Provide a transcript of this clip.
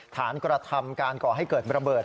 กระทำการก่อให้เกิดระเบิด